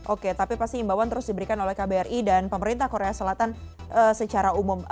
oke tapi pasti imbauan terus diberikan oleh kbri dan pemerintah korea selatan secara umum